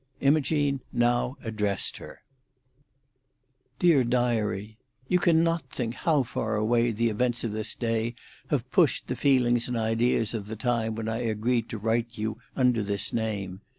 Imogene now addressed her— "DEAR DIARY,—You cannot think how far away the events of this day have pushed the feelings and ideas of the time when I agreed to write to you under this name.